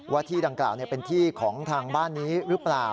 ว่าที่ดังกล่าวเป็นที่ของทางบ้านนี้หรือเปล่า